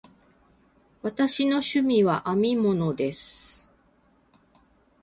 私の趣味は編み物です。